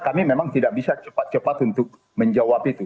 kami memang tidak bisa cepat cepat untuk menjawab itu